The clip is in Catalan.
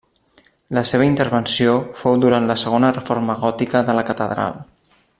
La seva intervenció fou durant la segona reforma gòtica de la catedral.